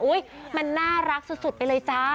มันน่ารักสุดไปเลยจ้า